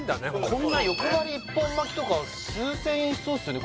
こんなよくばり一本巻とか数千円しそうっすよね